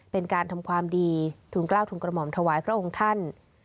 เป็นการทำความดีทุนกล้าวทุนกระหม่อมถวายพระองค์ท่าน